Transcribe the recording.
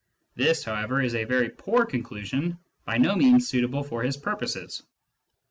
This, however, is a very poor conclusion, by no means suitable for his purposes.